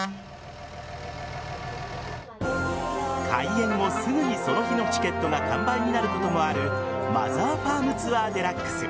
開園後すぐにその日のチケットが完売になることもあるマザーファームツアーＤＸ。